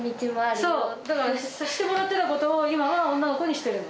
そう、だからさせてもらってたことを今は女の子にしてるの。